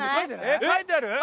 えっ書いてある？